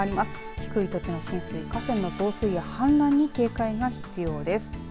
低い土地の浸水河川の増水や氾濫に警戒が必要です。